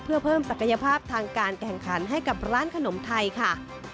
เพื่อเพิ่มศักยภาพทางการแข่งขันให้กับร้านขนมไทยค่ะ